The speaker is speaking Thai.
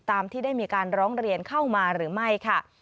ตามที่ได้มีการร้องเรียนเข้ามาหรือไม่ค่ะ